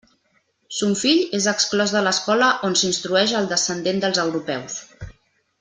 Son fill és exclòs de l'escola on s'instrueix el descendent dels europeus.